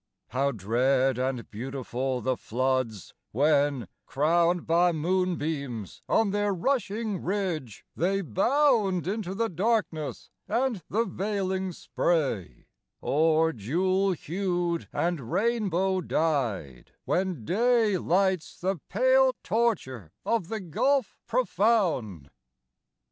How dread and beautiful the floods, when, crowned By moonbeams on their rushing ridge, they bound Into the darkness and the veiling spray; Or, jewel hued and rainbow dyed, when day Lights the pale torture of the gulf profound!